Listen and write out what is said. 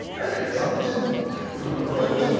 やってんの？